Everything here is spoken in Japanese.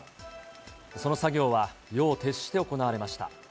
その作業は夜を徹して行われました。